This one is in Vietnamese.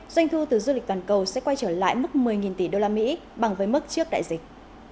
doanh thu từ du lịch toàn cầu sẽ quay trở lại mức một mươi tỷ usd bằng với mức trước đại dịch